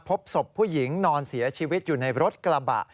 พบศพผู้หญิงนอนเสียชีวิตอยู่ในรถกระบะ